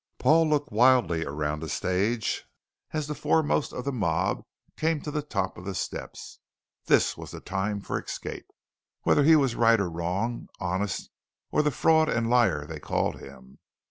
Paul looked wildly around the stage as the foremost of the mob came to the top of the steps. This was the time for escape, whether he was right or wrong, honest or the fraud and liar they called him.